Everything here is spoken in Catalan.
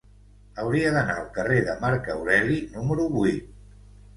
Hauria d'anar al carrer de Marc Aureli número vuit.